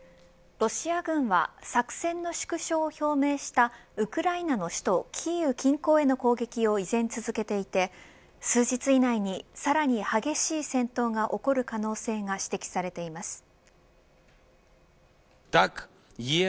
ロシア軍は作戦の縮小を表明したウクライナの首都キーウ近郊への攻撃を依然続けていて数日以内にさらに激しい戦闘が起こる可能性が指摘されています。